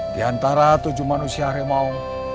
di antara tujuh manusia harimau